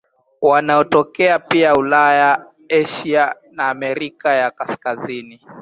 Wanatokea pia Ulaya, Asia na Amerika ya Kaskazini.